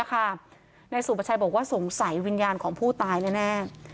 นายสุประชัยบอกว่าสงสัยวิญญาณของผู้ตายแน่